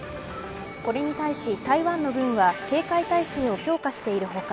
これに対し、台湾の軍は警戒態勢を強化している他